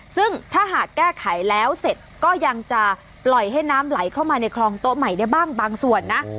ซึ่งถ้าหากแก้ไขแล้วเสร็จก็ยังจะปล่อยให้น้ำไหลเข้ามาในคลองโต๊ะใหม่ได้บ้างบางส่วนนะ